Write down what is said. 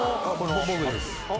僕です。